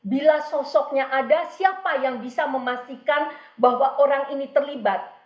bila sosoknya ada siapa yang bisa memastikan bahwa orang ini terlibat